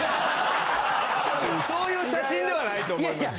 そういう写真ではないと思います。